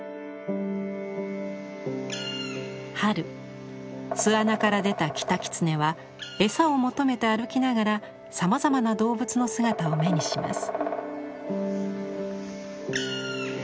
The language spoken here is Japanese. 春巣穴から出たキタキツネはエサを求めて歩きながらさまざまな動物の姿を目にします。